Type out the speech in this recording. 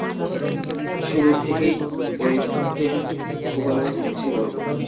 শুরু থেকেই ওয়েস্টেন্ড ভূগর্ভস্থ ছিল।